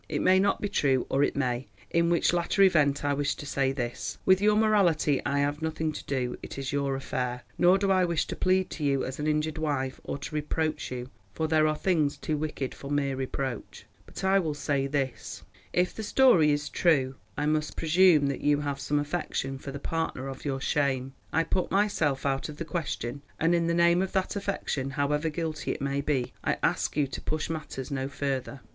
It may not be true or it may, in which latter event I wish to say this: With your morality I have nothing to do; it is your affair. Nor do I wish to plead to you as an injured wife or to reproach you, for there are things too wicked for mere reproach. But I will say this: if the story is true, I must presume that you have some affection for the partner of your shame. I put myself out of the question, and in the name of that affection, however guilty it may be, I ask you to push matters no further.